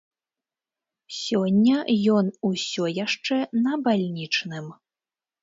Сёння ён усё яшчэ на бальнічным.